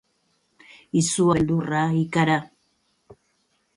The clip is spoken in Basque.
Izua, beldurra, ikara.